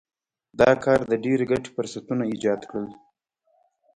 دا کار د ډېرې ګټې فرصتونه ایجاد کړل.